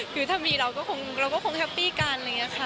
คือถ้ามีเราก็คงแฮปปี้กัน